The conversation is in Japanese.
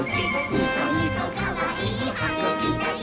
ニコニコかわいいはぐきだよ！」